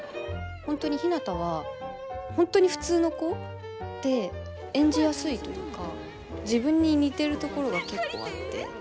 本当にひなたは本当に普通の子で演じやすいというか自分に似てるところが結構あって。